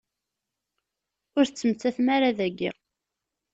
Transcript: Ur tettemmatem ara daki.